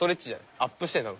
アップしてる多分。